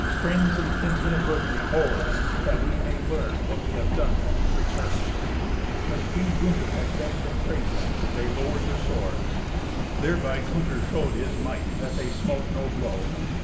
Friends and kinsmen of Burgundy, hold, that we may learn what we have done to Dietrich's hurt." When King Gunther had begged and prayed them, they lowered their swords. Thereby Gunther showed his might, that they smote no blow.